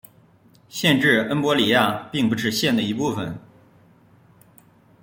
县治恩波里亚并不是县的一部分。